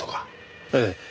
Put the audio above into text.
ええ。